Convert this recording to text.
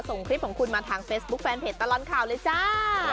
ส่งคลิปของคุณมาทางเฟซบุ๊คแฟนเพจตลอดข่าวเลยจ้า